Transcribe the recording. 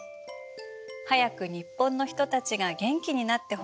早く日本の人たちが元気になってほしい。